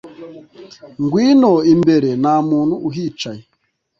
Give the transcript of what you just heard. ngwino imbere nta muntu uhicaye